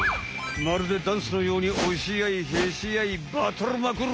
まるでダンスのようにおしあいへしあいバトルまくる！